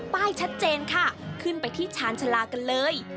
ชัดเจนค่ะขึ้นไปที่ชาญชาลากันเลย